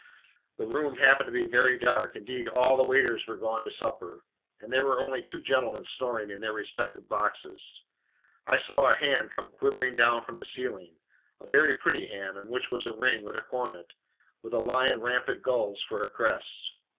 The room happened to be very dark. Indeed all the waiters were gone to supper, and there were only two gentlemen snoring in their respective boxes. I saw a hand come quivering down from the ceiling a very pretty hand, on which was a ring with a coronet, with a lion rampant gules for a crest.